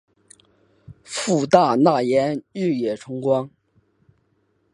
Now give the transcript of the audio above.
父大纳言日野重光。